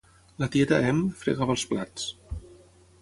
La tieta Em fregava els plats.